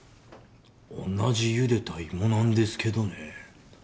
同じ茹でた芋なんですけどね